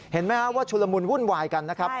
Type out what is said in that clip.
เห็นไหมครับว่าชุลมุนวุ่นวายกันนะครับ